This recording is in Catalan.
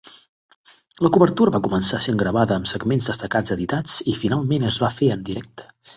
La cobertura va començar sent gravada amb segments destacats editats i, finalment, es va fer en directe.